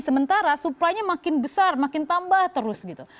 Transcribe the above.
sementara supplynya makin besar makin tambah terus gitu